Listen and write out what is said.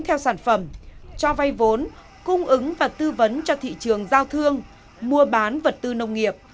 theo sản phẩm cho vay vốn cung ứng và tư vấn cho thị trường giao thương mua bán vật tư nông nghiệp